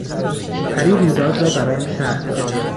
پری رویداد را برایم شرح داد.